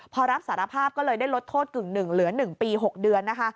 พอรับสารภาพก็เลยได้ลดโทษกึ่งหนึ่งเหลือ๑ปี๖เดือนนะคะ